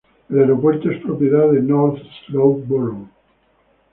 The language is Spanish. El aeropuerto es propiedad de North Slope Borough.